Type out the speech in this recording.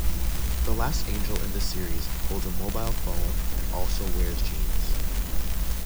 The last angel in the series holds a mobile phone and also wears jeans.